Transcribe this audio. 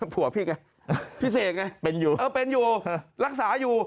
ผัวพี่ไงพี่เสกไงเป็นอยู่เออเป็นอยู่รักษาอยู่